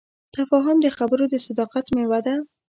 تفاهم د خبرو د صداقت میوه ده.